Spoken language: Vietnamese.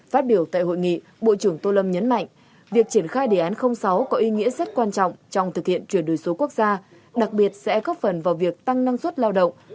phát biểu tại hội nghị bộ trưởng tô lâm nhấn mạnh việc triển khai đề án sáu có ý nghĩa rất quan trọng trong thực hiện chuyển đổi số quốc gia đặc biệt sẽ góp phần vào việc tăng năng suất lao động